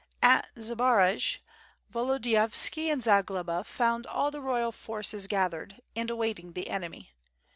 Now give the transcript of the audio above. At Zbaraj, Volodiyovski and Zagloba found all the royal forces gathered, and awaiting the enemy.